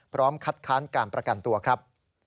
พร้อมคัดค้านการประกันตัวครับ